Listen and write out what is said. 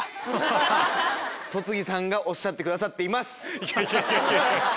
戸次さんがおっしゃってくださっています。